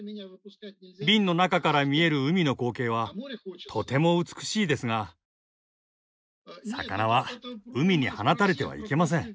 瓶の中から見える海の光景はとても美しいですが魚は海に放たれてはいけません。